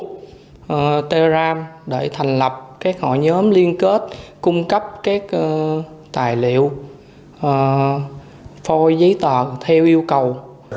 facebook telegram để thành lập các hội nhóm liên kết cung cấp các tài liệu phôi giấy tờ theo yêu cầu